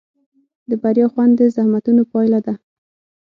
د بریا خوند د زحمتونو پایله ده.